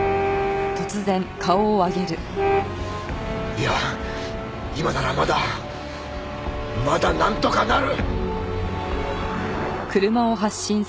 いや今ならまだまだなんとかなる！